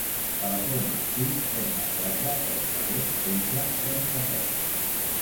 Telefona al sis, trenta-quatre, trenta-dos, onze, trenta-set.